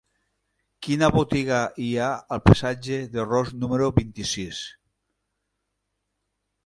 Quina botiga hi ha al passatge de Ros número vint-i-sis?